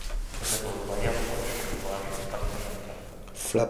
Гэта ўдвая больш, чым важыць спартсменка.